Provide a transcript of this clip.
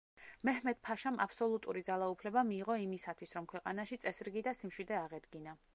მეჰმედ-ფაშამ აბსოლუტური ძალაუფლება მიიღო იმისათვის, რომ ქვეყანაში წესრიგი და სიმშვიდე აღედგინა.